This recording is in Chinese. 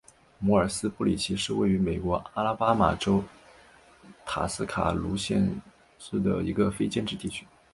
摩尔斯布里奇是位于美国阿拉巴马州塔斯卡卢萨县的一个非建制地区。